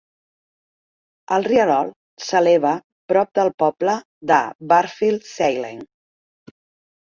El rierol s'eleva prop del poble de Bardfield Saling.